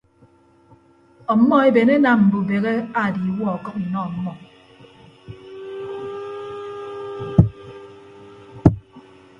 Ọmmọ eben enam mbubehe aadiiwuọ ọkʌk inọ ọmmọ.